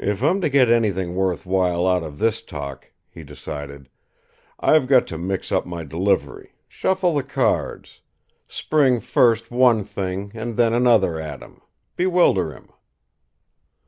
"If I'm to get anything worth while out of this talk," he decided, "I've got to mix up my delivery, shuffle the cards, spring first one thing and then another at him bewilder him."